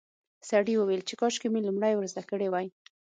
سړي وویل چې کاشکې مې لومړی ور زده کړي وای.